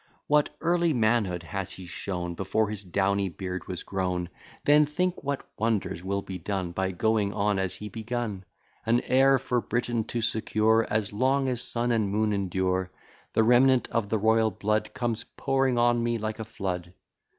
What early manhood has he shown, Before his downy beard was grown, Then think, what wonders will be done By going on as he begun, An heir for Britain to secure As long as sun and moon endure. The remnant of the royal blood Comes pouring on me like a flood.